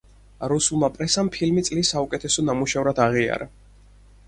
რუსულმა პრესამ ფილმი წლის საუკეთესო ნამუშევრად აღიარა.